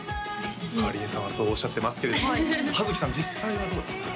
おっかりんさんはそうおっしゃってますけれども葉月さん実際はどうですか？